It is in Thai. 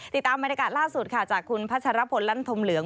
ติดตามบรรยากาศล่าสุดค่ะจากคุณพัชรพลลั่นธมเหลือง